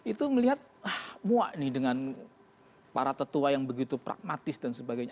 itu melihat muak nih dengan para tetua yang begitu pragmatis dan sebagainya